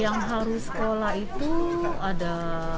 yang harus sekolah itu ada